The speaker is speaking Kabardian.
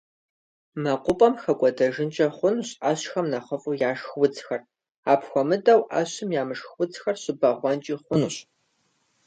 МэкъупӀэм хэкӀуэдэжынкӀэ хъунущ Ӏэщхэм нэхъыфӀу яшх удзхэр, апхуэмыдэу, Ӏэщым ямышх удзхэр щыбэгъуэнкӀи хъунущ.